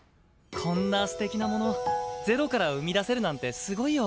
こんな素敵なものゼロから生み出せるなんてすごいよ。